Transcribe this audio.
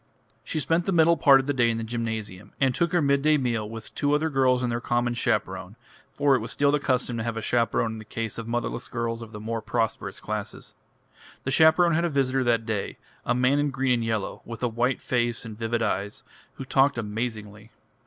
She spent the middle part of the day in the gymnasium, and took her midday meal with two other girls and their common chaperone for it was still the custom to have a chaperone in the case of motherless girls of the more prosperous classes. The chaperone had a visitor that day, a man in green and yellow, with a white face and vivid eyes, who talked amazingly.